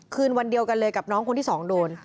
คืนวันเดียวกันเลยกับน้องคนที่สองโดน